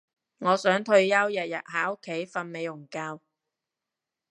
我想退休日日喺屋企瞓美容覺